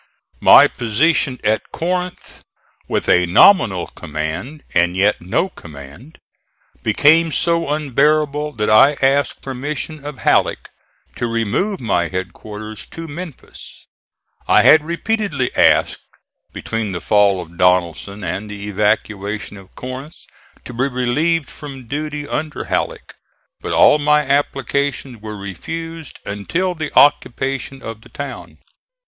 My position at Corinth, with a nominal command and yet no command, became so unbearable that I asked permission of Halleck to remove my headquarters to Memphis. I had repeatedly asked, between the fall of Donelson and the evacuation of Corinth, to be relieved from duty under Halleck; but all my applications were refused until the occupation of the town.